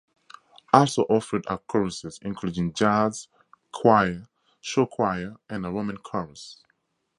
Also offered are choruses including jazz choir, show choir, and a women's chorus.